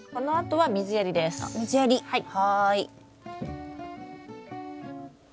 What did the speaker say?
はい。